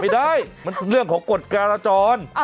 เปิดไฟขอทางออกมาแล้วอ่ะ